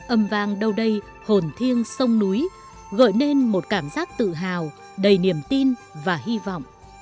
âm vang đâu đây hồn thiêng sông núi gợi nên một cảm giác tự hào đầy niềm tin và hy vọng